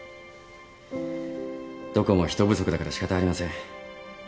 どこも人不足だから仕方ありません。